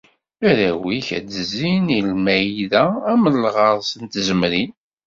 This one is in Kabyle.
Arraw-ik, ad d-zzin i lmayda am lɣers n tzemmrin.